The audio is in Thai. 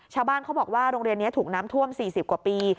ชาวบ้านเขาบอกว่าโรงเรียนนี้ถูกน้ำท่วม๔๐กว่าปี